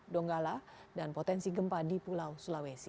donggala dan potensi gempa di pulau sulawesi